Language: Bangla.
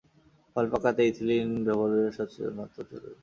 ফল পাঁকাতে ইথিলিন ব্যবহারে সচেতনতা জরুরি।